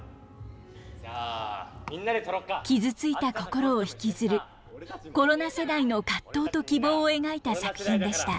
傷ついた心を引きずるコロナ世代の葛藤と希望を描いた作品でした。